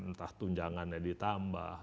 entah tunjangannya ditambah